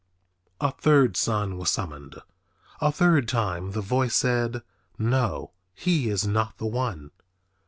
A third son was summoned. A third time the voice said, "No, he is not the one."